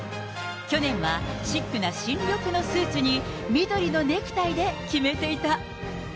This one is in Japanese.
去年はシックな深緑のスーツに緑のネクタイで決めていた。